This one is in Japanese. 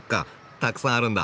たくさんあるんだ。